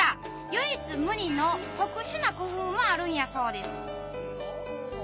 唯一無二の特殊な工夫もあるんやそうです。